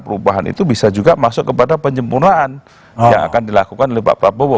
perubahan itu bisa juga masuk kepada penyempurnaan yang akan dilakukan oleh pak prabowo